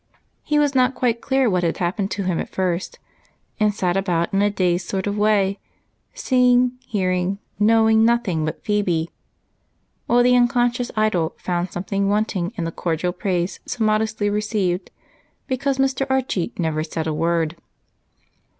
He was not quite clear what had happened to him at first, and sat about in a dazed sort of way, seeing, hearing, knowing nothing but Phebe, while the unconscious idol found something wanting in the cordial praise so modestly received because Mr. Archie never said a word.